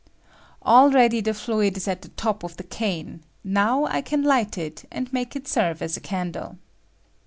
Already the fluid ia at the top of the cane; now I can light it and make it serve as a candle.